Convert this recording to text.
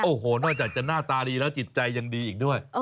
โอ้โหนอกจากจะหน้าตาดีแล้วจิตใจยังดีอีกด้วย